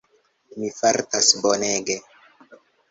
Mi fartas bonege.